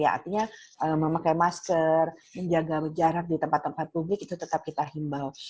artinya memakai masker menjaga jarak di tempat tempat publik itu tetap kita himbau